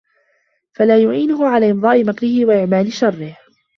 فَلَا يُعِينُهُ عَلَى إمْضَاءِ مَكْرِهِ ، وَإِعْمَالِ شَرِّهِ